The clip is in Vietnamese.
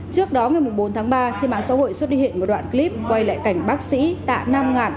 trước đó ngày bốn tháng ba trên mạng xã hội xuất hiện một đoạn clip quay lại cảnh bác sĩ tại nam ngạn